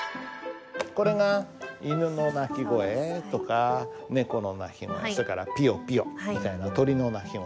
これが犬の鳴き声とか猫の鳴き声それからピヨピヨみたいな鳥の鳴き声。